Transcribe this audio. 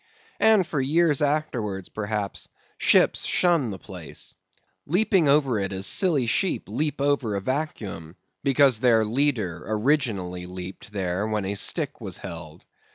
_ And for years afterwards, perhaps, ships shun the place; leaping over it as silly sheep leap over a vacuum, because their leader originally leaped there when a stick was held.